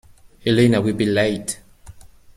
Elena will be late.